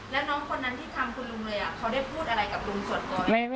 แล้วน้องคนนั้นที่ทำคุณลุงเลย